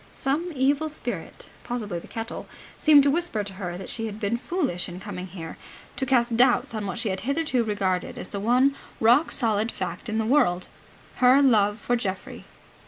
Some evil spirit, possibly the kettle, seemed to whisper to her that she had been foolish in coming here, to cast doubts on what she had hitherto regarded as the one rock solid fact in the world, her love for Geoffrey.